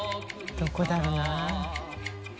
どこだろうな。